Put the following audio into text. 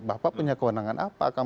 bapak punya kewenangan apa